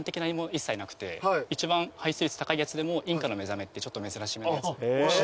一切なくて一番排出率高いやつでもインカのめざめってちょっと珍しめのやつ。